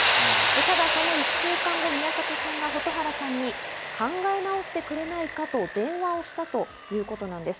ただその１週間後、宮迫さんが蛍原さんに考え直してくれないか？と、電話をしたということなんです。